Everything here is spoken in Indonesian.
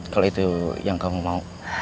kalau itu yang kamu mau